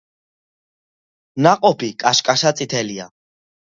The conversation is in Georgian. ნაყოფი კაშკაშა წითელია.